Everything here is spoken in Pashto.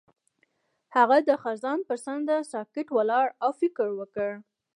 هغه د خزان پر څنډه ساکت ولاړ او فکر وکړ.